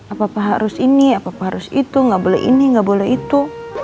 apa apa harus ini apa apa harus itu nggak boleh ini nggak boleh itu